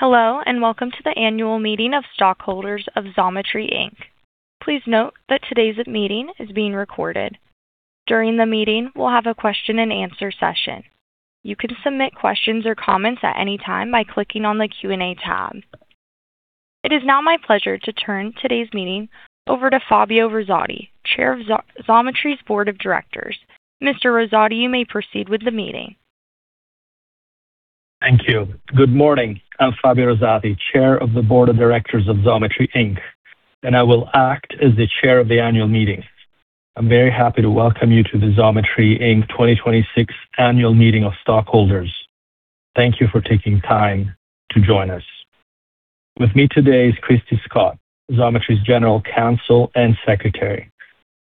Hello, welcome to the Annual Meeting of Stockholders of Xometry, Inc. Please note that today's meeting is being recorded. During the meeting, we'll have a question and answer session. You can submit questions or comments at any time by clicking on the Q&A tab. It is now my pleasure to turn today's meeting over to Fabio Rosati, Chair of Xometry's board of directors. Mr. Rosati, you may proceed with the meeting. Thank you. Good morning. I'm Fabio Rosati, Chair of the Board of Directors of Xometry, Inc., and I will act as the Chair of the annual meeting. I'm very happy to welcome you to the Xometry, Inc. 2026 Annual Meeting of Stockholders. Thank you for taking time to join us. With me today is Kristie Scott, Xometry's General Counsel and Secretary.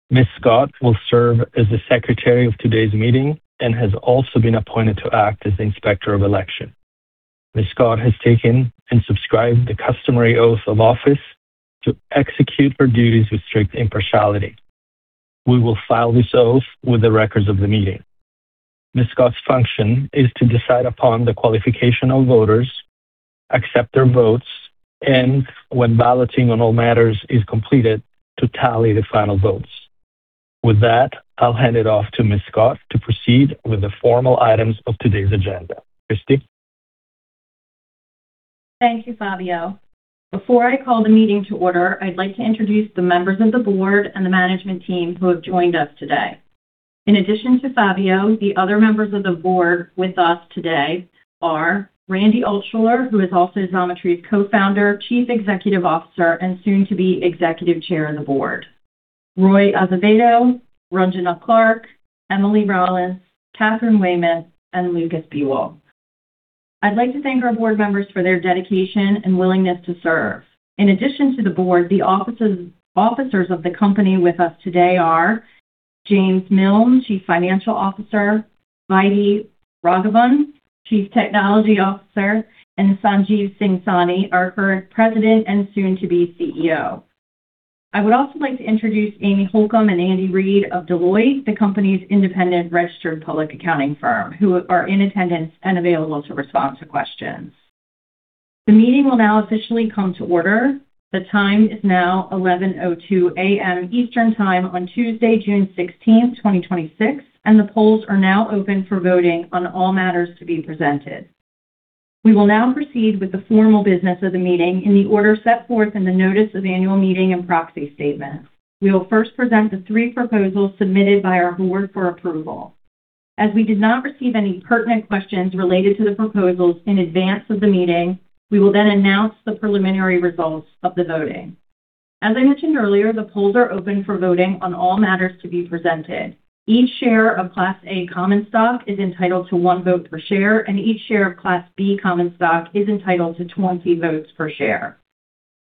Ms. Scott will serve as the Secretary of today's meeting and has also been appointed to act as the Inspector of Election. Ms. Scott has taken and subscribed the customary oath of office to execute her duties with strict impartiality. We will file this oath with the records of the meeting. Ms. Scott's function is to decide upon the qualification of voters, accept their votes, and when balloting on all matters is completed, to tally the final votes. With that, I'll hand it off to Ms. Scott to proceed with the formal items of today's agenda. Kristie? Thank you, Fabio. Before I call the meeting to order, I'd like to introduce the members of the board and the management team who have joined us today. In addition to Fabio, the other members of the board with us today are Randy Altschuler, who is also Xometry's Co-founder, Chief Executive Officer, and soon to be Executive Chair of the Board. Roy Azevedo, Ranjana Clark, Emily Rollins, Katharine Weymouth, and Lukas Biewald. I'd like to thank our board members for their dedication and willingness to serve. In addition to the board, the officers of the company with us today are James Miln, Chief Financial Officer, Vaidy Raghavan, Chief Technology Officer, and Sanjeev Singh Sahni, our current President and soon to be CEO. I would also like to introduce Amy Holcomb and Andrew Reid of Deloitte, the company's independent registered public accounting firm, who are in attendance and available to respond to questions. The meeting will now officially come to order. The time is now 11:02 A.M. Eastern Time on Tuesday, June 16th, 2026, and the polls are now open for voting on all matters to be presented. We will now proceed with the formal business of the meeting in the order set forth in the notice of annual meeting and proxy statement. We will first present the three proposals submitted by our board for approval. As we did not receive any pertinent questions related to the proposals in advance of the meeting, we will then announce the preliminary results of the voting. As I mentioned earlier, the polls are open for voting on all matters to be presented. Each share of Class A common stock is entitled to one vote per share, and each share of Class B common stock is entitled to 20 votes per share.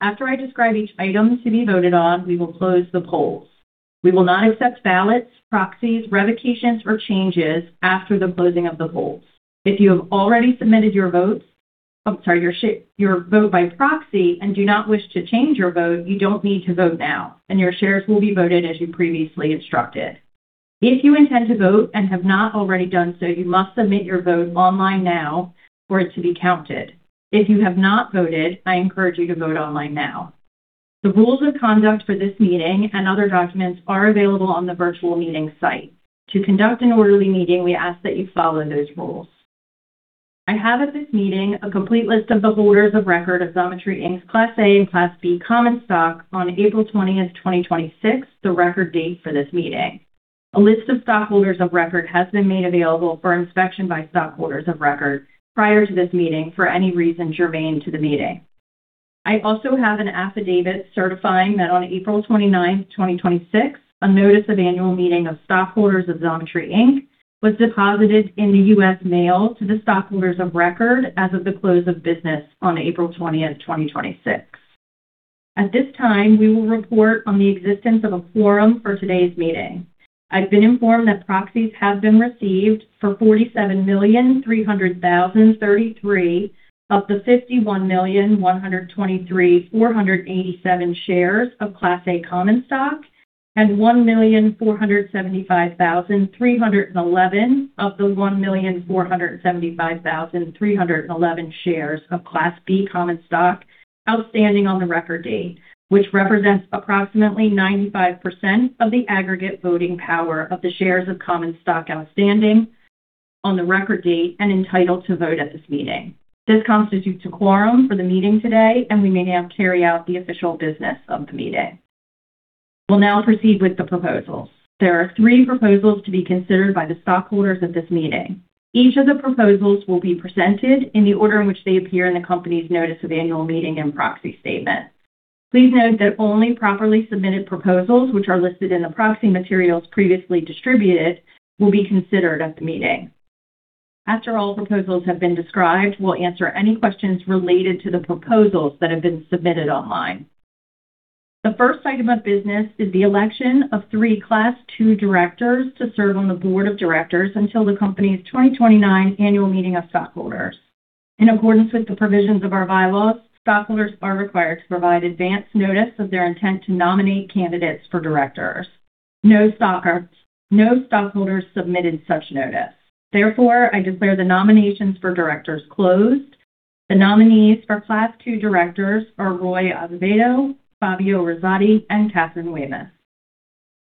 After I describe each item to be voted on, we will close the polls. We will not accept ballots, proxies, revocations, or changes after the closing of the polls. If you have already submitted your vote by proxy and do not wish to change your vote, you don't need to vote now, and your shares will be voted as you previously instructed. If you intend to vote and have not already done so, you must submit your vote online now for it to be counted. If you have not voted, I encourage you to vote online now. The rules of conduct for this meeting and other documents are available on the virtual meeting site. To conduct an orderly meeting, we ask that you follow those rules. I have at this meeting a complete list of the voters of record of Xometry Inc.'s Class A and Class B common stock on April 20th, 2026, the record date for this meeting. A list of stockholders of record has been made available for inspection by stockholders of record prior to this meeting for any reason germane to the meeting. I also have an affidavit certifying that on April 29th, 2026, a notice of annual meeting of stockholders of Xometry Inc. was deposited in the U.S. mail to the stockholders of record as of the close of business on April 20th, 2026. At this time, we will report on the existence of a quorum for today's meeting. I've been informed that proxies have been received for 47,300,033 of the 51,123,487 shares of Class A common stock and 1,475,311 of the 1,475,311 shares of Class B common stock outstanding on the record date, which represents approximately 95% of the aggregate voting power of the shares of common stock outstanding on the record date and entitled to vote at this meeting. This constitutes a quorum for the meeting today, and we may now carry out the official business of the meeting. We'll now proceed with the proposals. There are three proposals to be considered by the stockholders at this meeting. Each of the proposals will be presented in the order in which they appear in the company's notice of annual meeting and proxy statement. Please note that only properly submitted proposals which are listed in the proxy materials previously distributed will be considered at the meeting. After all proposals have been described, we will answer any questions related to the proposals that have been submitted online. The first item of business is the election of three Class II Directors to serve on the board of directors until the company's 2029 annual meeting of stockholders. In accordance with the provisions of our bylaws, stockholders are required to provide advance notice of their intent to nominate candidates for directors. No stockholders submitted such notice. Therefore, I declare the nominations for directors closed. The nominees for Class II Directors are Roy Azevedo, Fabio Rosati, and Katharine Weymouth.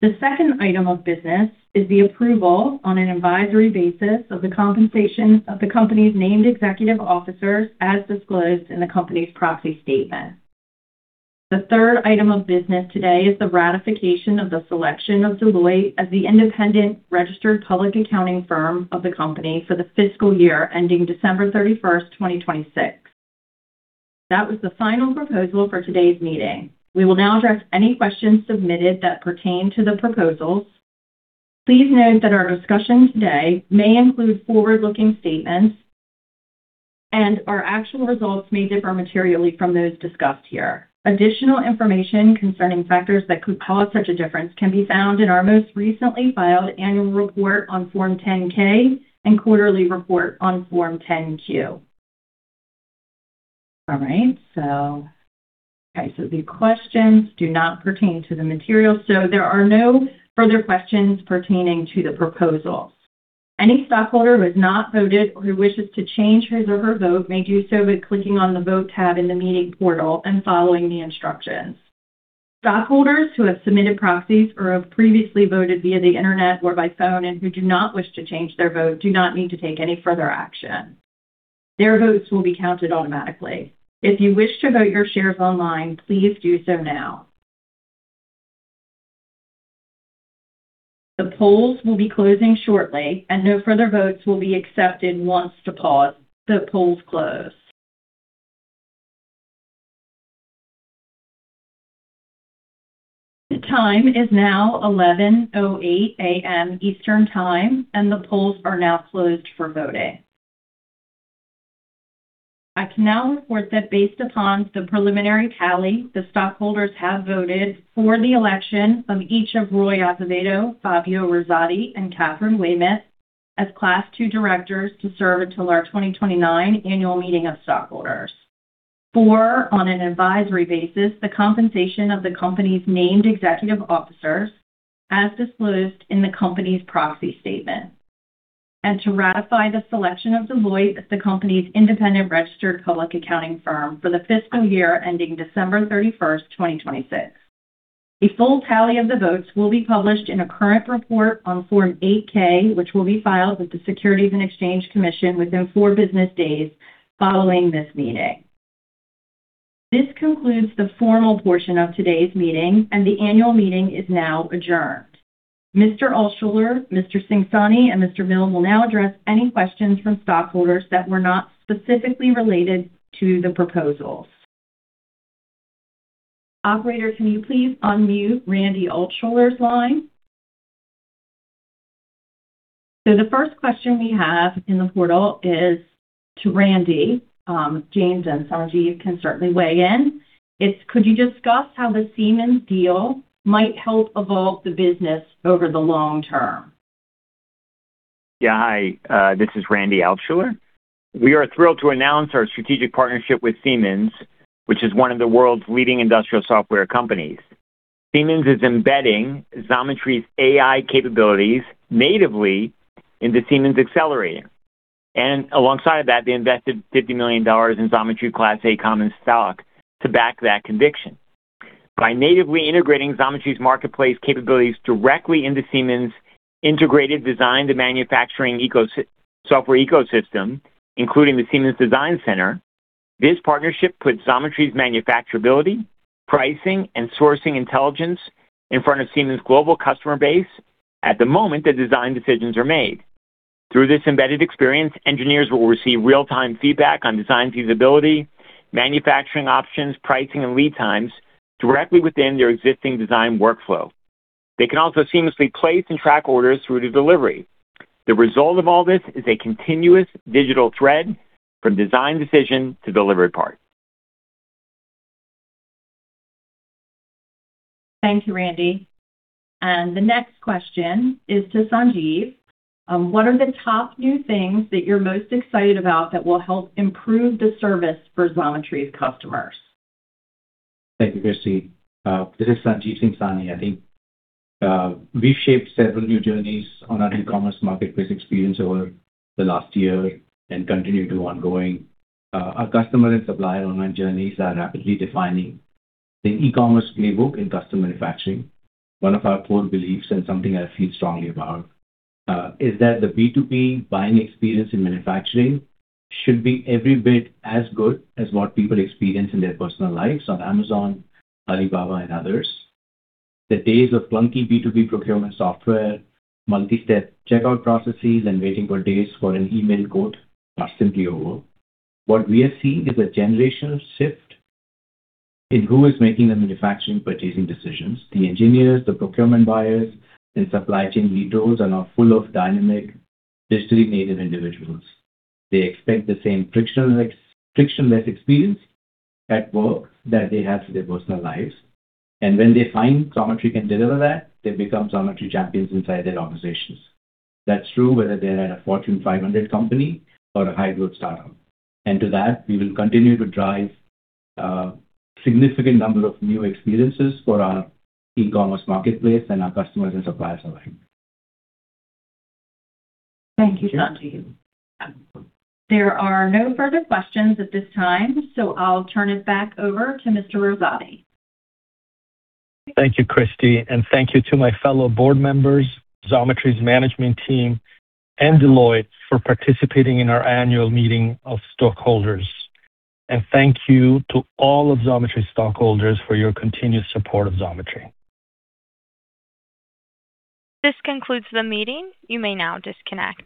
The second item of business is the approval on an advisory basis of the compensation of the company's named executive officers as disclosed in the company's proxy statement. The third item of business today is the ratification of the selection of Deloitte as the independent registered public accounting firm of the company for the fiscal year ending December 31st, 2026. That was the final proposal for today's meeting. We will now address any questions submitted that pertain to the proposals. Please note that our discussion today may include forward-looking statements, and our actual results may differ materially from those discussed here. Additional information concerning factors that could cause such a difference can be found in our most recently filed annual report on Form 10-K and quarterly report on Form 10-Q. All right. The questions do not pertain to the material, there are no further questions pertaining to the proposal. Any stockholder who has not voted or who wishes to change his or her vote may do so by clicking on the Vote tab in the meeting portal and following the instructions. Stockholders who have submitted proxies or have previously voted via the Internet or by phone and who do not wish to change their vote do not need to take any further action. Their votes will be counted automatically. If you wish to vote your shares online, please do so now. The polls will be closing shortly, no further votes will be accepted once the polls close. The time is now 11:08 A.M. Eastern Time, the polls are now closed for voting. I can now report that based upon the preliminary tally, the stockholders have voted for the election of each of Roy Azevedo, Fabio Rosati, and Katharine Weymouth as Class II Directors to serve until our 2029 annual meeting of stockholders. For, on an advisory basis, the compensation of the company's named executive officers as disclosed in the company's proxy statement. To ratify the selection of Deloitte as the company's independent registered public accounting firm for the fiscal year ending December 31st, 2026. A full tally of the votes will be published in a current report on Form 8-K, which will be filed with the Securities and Exchange Commission within four business days following this meeting. This concludes the formal portion of today's meeting, and the annual meeting is now adjourned. Mr. Altschuler, Mr. Sanjeev Singh Sahni, and Mr. Milne will now address any questions from stockholders that were not specifically related to the proposals. Operator, can you please unmute Randy Altschuler's line? The first question we have in the portal is to Randy. James and Sanjeev can certainly weigh in. Could you discuss how the Siemens deal might help evolve the business over the long-term? Hi, this is Randy Altschuler. We are thrilled to announce our strategic partnership with Siemens, which is one of the world's leading industrial software companies. Siemens is embedding Xometry's AI capabilities natively into Siemens Xcelerator. Alongside that, they invested $50 million in Xometry Class A common stock to back that conviction. By natively integrating Xometry's marketplace capabilities directly into Siemens' integrated design to manufacturing software ecosystem, including the Siemens Designcenter, this partnership puts Xometry's manufacturability, pricing, and sourcing intelligence in front of Siemens' global customer base at the moment the design decisions are made. Through this embedded experience, engineers will receive real-time feedback on design feasibility, manufacturing options, pricing, and lead times directly within their existing design workflow. They can also seamlessly place and track orders through to delivery. The result of all this is a continuous digital thread from design decision to delivered part. Thank you, Randy. The next question is to Sanjeev. What are the top new things that you're most excited about that will help improve the service for Xometry's customers? Thank you, Kristie. This is Sanjeev Singh Sahni. I think we've shaped several new journeys on our e-commerce marketplace experience over the last year and continue to ongoing. Our customer and supplier online journeys are rapidly defining the e-commerce playbook in custom manufacturing. One of our core beliefs, and something I feel strongly about, is that the B2B buying experience in manufacturing should be every bit as good as what people experience in their personal lives on Amazon, Alibaba, and others. The days of clunky B2B procurement software, multi-step checkout processes, and waiting for days for an email quote are simply over. What we are seeing is a generational shift in who is making the manufacturing purchasing decisions. The engineers, the procurement buyers, and supply chain leaders are now full of dynamic, digitally native individuals. They expect the same frictionless experience at work that they have for their personal lives. When they find Xometry can deliver that, they become Xometry champions inside their organizations. That's true whether they're at a Fortune 500 company or a high-growth startup. To that, we will continue to drive a significant number of new experiences for our e-commerce marketplace and our customers and suppliers alike. Thank you, Sanjeev. There are no further questions at this time, I'll turn it back over to Mr. Rosati. Thank you, Kristie, and thank you to my fellow board members, Xometry's management team, and Deloitte for participating in our annual meeting of stockholders. Thank you to all of Xometry's stockholders for your continued support of Xometry. This concludes the meeting. You may now disconnect.